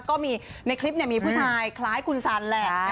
ก็มีในคลิปเนี่ยมีผู้ชายคล้ายคุณสันแหละนะคะ